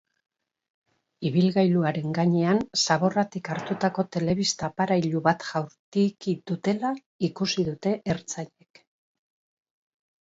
Ibilgailuaren gainean zaborratik hartutako telebista aparailu bat jaurtiki dutela ikusi dute ertzainek.